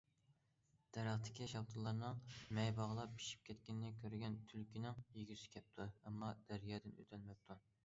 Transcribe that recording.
دەرەختىكى شاپتۇللارنىڭ مەي باغلاپ پىشىپ كەتكىنىنى كۆرگەن تۈلكىنىڭ يېگۈسى كەپتۇ، ئەمما دەريادىن ئۆتەلمەپتۇ.